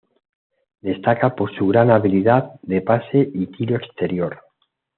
Destaca por su gran habilidad de pase y tiro exterior.